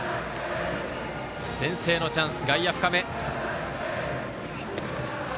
先制のチャンス、外野深め。